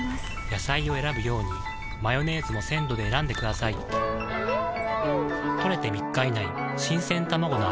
野菜を選ぶようにマヨネーズも鮮度で選んでくださいん！